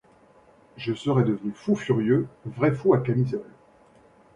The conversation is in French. Je serais devenu fou furieux, vrai fou à camisole.